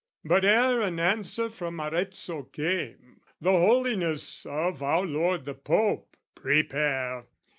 "But ere an answer from Arezzo came, "The Holiness of our Lord the Pope (prepare!)